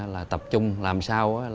là tập trung vào lực lượng điều tra viên